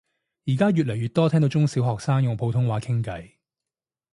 而家越嚟越多聽到啲中小學生用普通話傾偈